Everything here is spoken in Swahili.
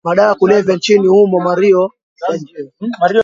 madawa ya kulevya nchini humoMario Sergio